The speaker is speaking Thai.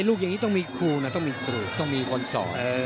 ลูกอย่างนี้ต้องมีครูนะต้องมีคนสร